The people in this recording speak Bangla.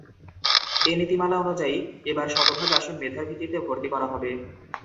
এ নীতিমালা অনুযায়ী, এবার শতভাগ আসন মেধার ভিত্তিতে ভর্তি করা হবে।